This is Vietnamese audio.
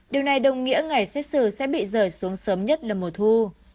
điều này đồng nghĩa ngày xét xử sẽ bị rời xuống sớm nhất là mùa thu